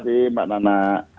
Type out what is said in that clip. terima kasih pak nana